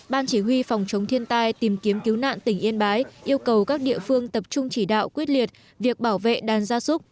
ban chỉ huy phòng chống thiên tai tìm kiếm cứu nạn tỉnh yên bái yêu cầu các địa phương tập trung chỉ đạo quyết liệt việc bảo vệ đàn gia súc